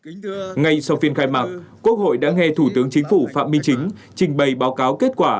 ngay sau phiên khai mạc quốc hội đã nghe thủ tướng chính phủ phạm minh chính trình bày báo cáo kết quả